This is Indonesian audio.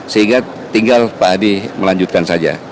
sehingga tinggal pak adi melanjutkan saja